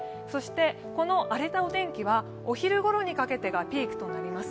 この荒れたお天気はお昼頃にかけてがピークとなります。